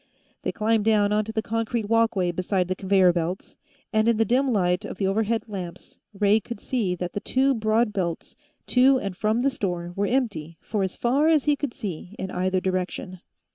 They climbed down onto the concrete walkway beside the conveyor belts, and in the dim light of the overhead lamps Ray could see that the two broad belts, to and from the store, were empty for as far as he could see in either direction.